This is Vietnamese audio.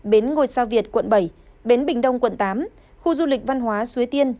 bến ngôi sa việt quận bảy bến bình đông quận tám khu du lịch văn hóa suế tiên